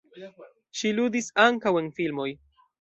Ŝi ludis ankaŭ en filmoj.